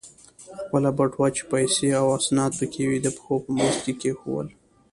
خپله بټوه چې پیسې او اسناد پکې و، د پښو په منځ کې کېښوول.